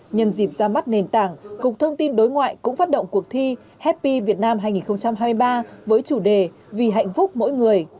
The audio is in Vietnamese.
nhân dịp ra mắt nền tảng cục thông tin đối ngoại cũng phát động cuộc thi happy việt nam hai nghìn hai mươi ba với chủ đề vì hạnh phúc mỗi người